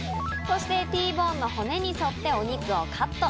そしてＴボーンの骨に沿ってお肉をカット。